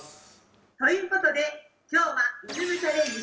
ということで今日はリズムチャレンジです。